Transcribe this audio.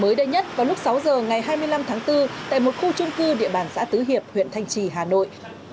mới đây nhất vào lúc sáu giờ ngày hai mươi năm tháng bốn tại một khu trung cư địa bàn xã tứ hiệp huyện thanh trì hà nội